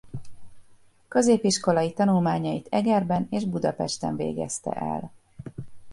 Középiskolai tanulmányait Egerben és Budapesten végezte el.